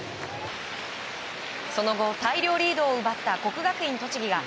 その後、大量リードを奪った国学院栃木が